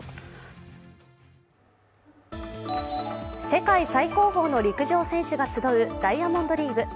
世界最高峰の陸上選手が集うダイヤモンドリーグ。